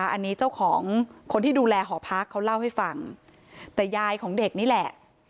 อันนี้เจ้าของคนที่ดูแลหอพักเขาเล่าให้ฟังแต่ยายของเด็กนี่แหละ